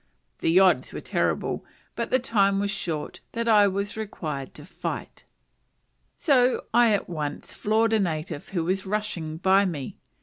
The odds were terrible, but the time was short that I was required to fight; so I at once floored a native who was rushing by me.